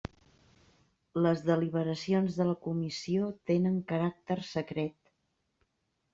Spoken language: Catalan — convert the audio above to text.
Les deliberacions de la Comissió tenen caràcter secret.